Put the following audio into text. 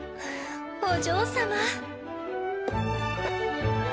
お嬢様。